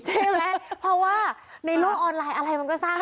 เท่มั้ยเพราะว่าในโลกออนไลน์อะไรมันก็สร้างได้